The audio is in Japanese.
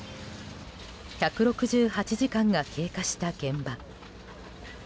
１６８時間が経過した現場。